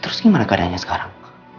terus gimana keadaannya sekarang